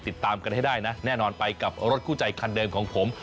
ติดตามกันให้ได้นะแน่นอนไปกับรถคู่ใจคันเดิมของผม